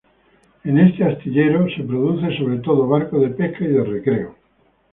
Es este astillero produce sobre todo barcos de pesca y de recreo.